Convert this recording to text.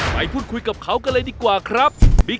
ไปพูดคุยกับเขากันเลยดีกว่าครับ